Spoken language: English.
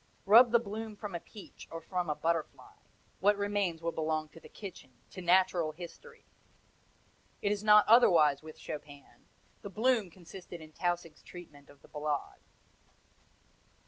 Rub the bloom from a peach or from a butterfly what remains will belong to the kitchen, to natural history! It is not otherwise with Chopin; the bloom consisted in Tausig's treatment of the Ballade.